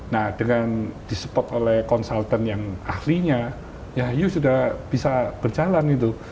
nah dengan di support oleh consultant yang ahlinya ya ibu sudah bisa berjalan itu